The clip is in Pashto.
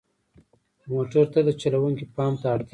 موټر تل د چلوونکي پام ته اړتیا لري.